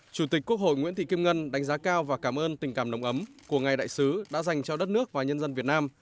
chủ tịch quốc hội nguyễn thị kim ngân đánh giá cao và cảm ơn tình cảm nồng ấm của ngài đại sứ đã dành cho đất nước và nhân dân việt nam